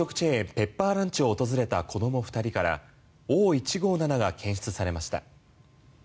ペッパーランチを訪れた子供２人からＯ−１５７が検出されました。